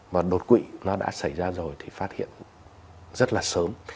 và đột quỵ nó đã xảy ra rồi thì phát hiện rất là sớm